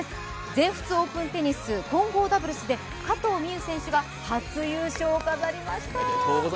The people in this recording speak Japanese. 全仏オープンテニス・ダブルスで加藤未唯選手が初優勝を飾りました。